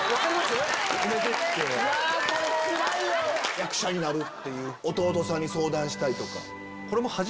役者になるって弟さんに相談したりとか。